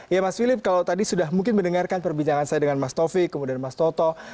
ya mas philip kalau tadi sudah mungkin mendengarkan perbincangan saya dengan mas taufik kemudian mas toto